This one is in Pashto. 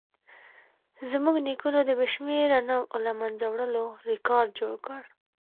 زموږ نیکونو د بې شمېره نوعو له منځه وړلو ریکارډ جوړ کړ.